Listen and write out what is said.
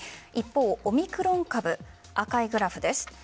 一方、オミクロン株赤いグラフです。